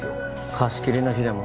貸し切りの日でも？